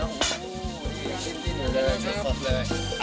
อู้ดินอยู่เลยดินเลย